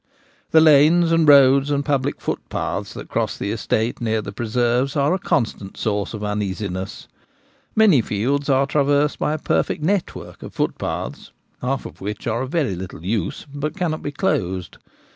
The lanes and roads and public footpaths that cross the estate near the preserves are a constant source of uneasiness. Many fields are traversed by a perfect network of footpaths, half of which are of very little use but cannot be closed.